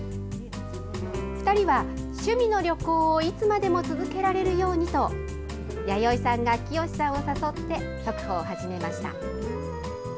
２人は趣味の旅行をいつまでも続けられるようにと、やよいさんが清志さんを誘って、速歩を始めました。